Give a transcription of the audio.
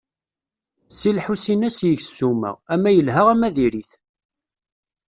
Si Lḥusin ad s-yeg ssuma, ama yelha ama diri-t.